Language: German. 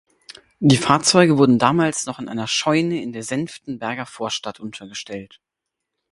Die Fahrzeuge wurden damals noch in einer Scheune in der Senftenberger Vorstadt untergestellt.